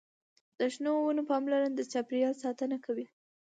د شنو ونو پاملرنه د چاپیریال ساتنه کوي.